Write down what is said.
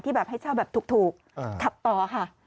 แบบให้เช่าแบบถูกขับต่อค่ะ